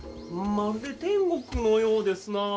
まるで天国のようですなあ。